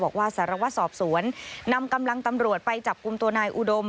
บอกว่าสารวัตรสอบสวนนำกำลังตำรวจไปจับกลุ่มตัวนายอุดม